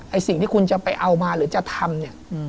สิ่งที่คุณจะไปเอามาหรือจะทำเนี่ย